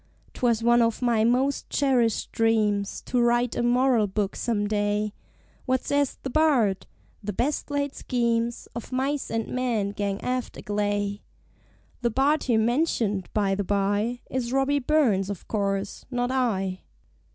'Twas one of my most cherished dreams To write a Moral Book some day; What says the Bard? "The best laid schemes Of Mice and Men gang aft agley!" (The Bard here mentioned, by the bye, Is Robbie Burns, of course not I.)